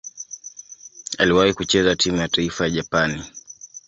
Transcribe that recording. Aliwahi kucheza timu ya taifa ya Japani.